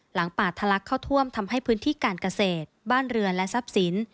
หลังป่าทะลักเข้าท่วมทำให้พื้นที่การเกษตรบ้านเรือนและทรัพย์สิน